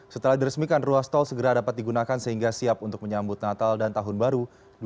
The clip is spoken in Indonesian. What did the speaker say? setelah diresmikan ruas tol segera dapat digunakan sehingga siap untuk menyambut natal dan tahun baru dua ribu dua puluh